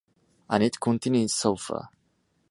And it continues so far.